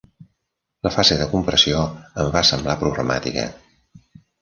La fase de compressió em va semblar problemàtica.